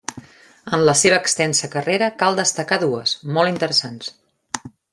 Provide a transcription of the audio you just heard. En la seva extensa carrera cal destacar dues, molt interessants.